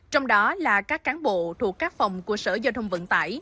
trong đó là các cán bộ thuộc các phòng của sở giao thông vận tải